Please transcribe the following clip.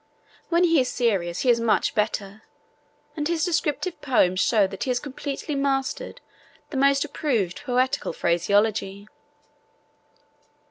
When he is serious he is much better, and his descriptive poems show that he has completely mastered the most approved poetical phraseology.